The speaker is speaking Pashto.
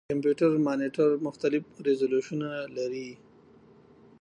د کمپیوټر مانیټر مختلف ریزولوشنونه لري.